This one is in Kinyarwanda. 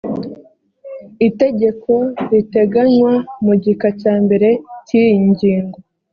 itegeko riteganywa mu gika cya mbere cy iyi ngingo